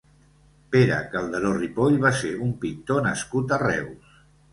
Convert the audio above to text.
Pere Calderó Ripoll va ser un pintor nascut a Reus.